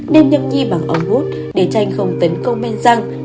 khi bằng ống hút để chanh không tấn công men răng